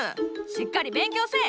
しっかり勉強せい！